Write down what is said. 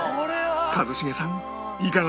一茂さん